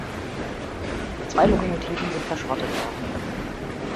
Zwei Lokomotiven sind verschrottet worden.